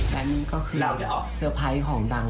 และนี่ก็คือเซอร์ไพรส์ของดัง